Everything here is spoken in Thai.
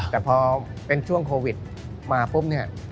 แต่พอเป็นช่วงโควิดมาปุ๊บเนี่ย